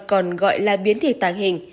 còn gọi là biến thể tàng hình